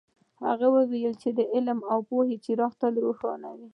هغه وایي چې د علم او پوهې څراغ تل روښانه وي